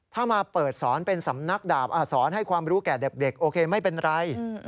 ถ้ามาเปิดสอนเป็นสำนักดาบอาสอนให้ความรู้แก่เด็กโอเคไม่เป็นไร